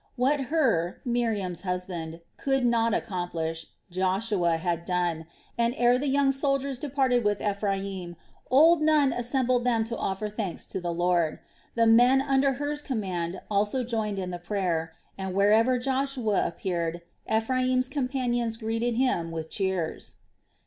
What Hur, Miriam's husband, could not accomplish, Joshua had done, and ere the young soldiers departed with Ephraim, old Nun assembled them to offer thanks to the Lord. The men under Hur's command also joined in the prayer and wherever Joshua appeared Ephraim's companions greeted him with cheers.